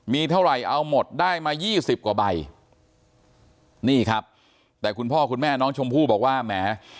มีเท่าไหร่เอาหมดได้มายี่สิบกว่าใบนี่ครับแต่คุณพ่อคุณแม่น้องชมพู่บอกว่าแหม